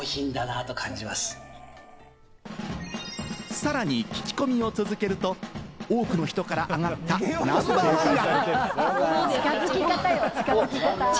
さらに聞き込みを続けると、多くの人から挙がったナンバーワンが。